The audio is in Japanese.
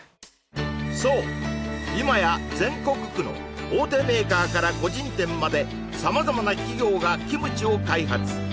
そう今や全国区の大手メーカーから個人店まで様々な企業がキムチを開発